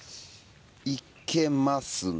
いけますね。